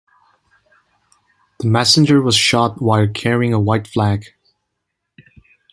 The messenger was shot while carrying a white flag.